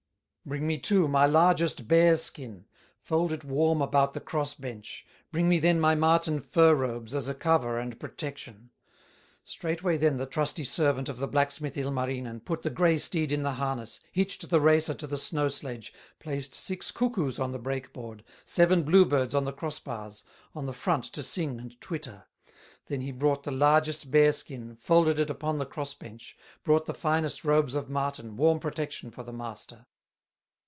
Bring me too my largest bear skin, Fold it warm about the cross bench; Bring me then my marten fur robes, As a cover and protection." Straightway then the trusty servant Of the blacksmith, Ilmarinen, Put the gray steed in the harness, Hitched the racer to the snow sledge, Placed six cuckoos on the break board, Seven bluebirds on the cross bars, On the front to sing and twitter; Then he brought the largest bear skin, Folded it upon the cross bench; Brought the finest robes of marten, Warm protection for the master.